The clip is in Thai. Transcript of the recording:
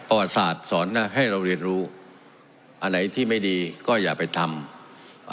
ประวัติศาสตร์สอนให้เราเรียนรู้อันไหนที่ไม่ดีก็อย่าไปทำ